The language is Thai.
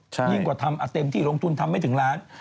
ยิ่งกว่าทำเต็มที่ลงทุนทำไม่ถึงล้าน